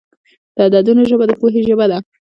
د عددونو ژبه د پوهې ژبه ده.